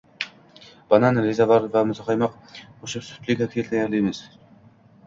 Banan, rezavorlar va muzqaymoq qo‘shib sutli kokteyl tayyorlaymiz